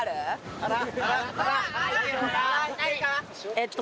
えっと。